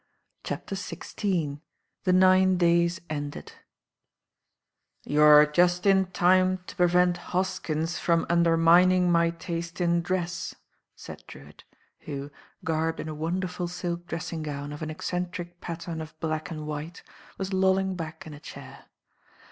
CHAPTER XVI THE NINE DAYS ENDED YOU'RE just in time to prevent Hoskins from undermining my taste in dress," said Drewitt, who, garbed in a wonderful silk dressing gown of an eccentric pattern of black and white, was lolling back in a chair.